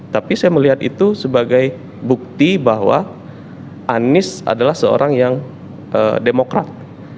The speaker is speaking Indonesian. tapi saya melihat itu sebagai bukti bahwa anies adalah seorang yang demokrat